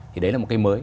thì đấy là một cái mới